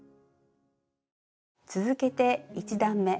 続けて１段め。